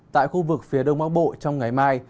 tại khu vực phía đông bắc bộ trong ngày mai